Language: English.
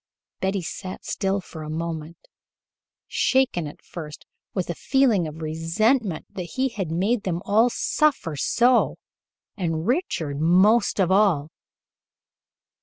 Betty sat still for a moment, shaken at first with a feeling of resentment that he had made them all suffer so, and Richard most of all.